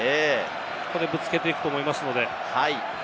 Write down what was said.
ここでぶつけていくと思いますので。